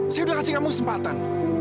saya udah kasih kamu kesempatan